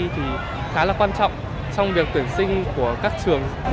thì khá là quan trọng trong việc tuyển sinh của các trường